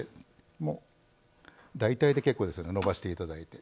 もう大体で結構ですのでのばしていただいて。